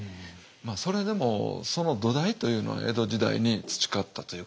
それでもその土台というのは江戸時代に培ったというか。